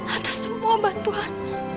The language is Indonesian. atas semua bantuan